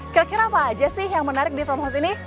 kira kira apa aja sih yang menarik di tromosi ini